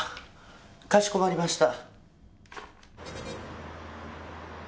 かしこまりました。